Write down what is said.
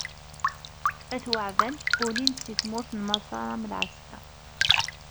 At Waɛban ulin-d si tmurt n Maṣer am lɛeskeṛ.